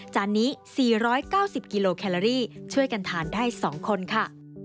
จานนี้๔๙๐กิโลแคลอรี่ช่วยกันทานได้๒คนค่ะ